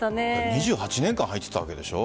２８年間入っていたわけでしょ？